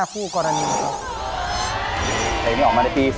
เพลงนี้ออกมาในปี๒๕๕๙